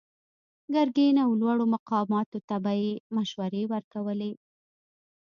ګرګين او لوړو مقاماتو ته به يې مشورې ورکولې.